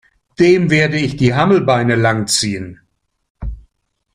Dem werde ich die Hammelbeine lang ziehen!